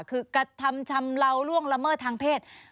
คือกระทำชำเลาล่วงละเมิดทางเพศ